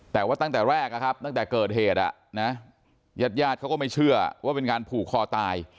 แต่ว่าตั้งแต่แรกตั้งแต่เกิดเหตุญาติญาติเขาก็ไม่เชื่อว่าเป็นการผูกคอตาย